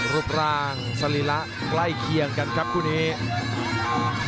รูปร่างสรีระใกล้เคียงกันครับคู่นี้